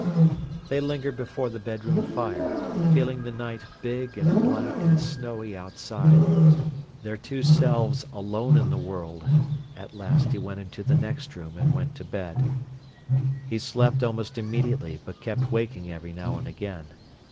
They lingered before the bedroom fire, feeling the night big and black and snowy outside, their two selves alone in the world. At last he went into the next room and went to bed. He slept almost immediately, but kept waking every now and again.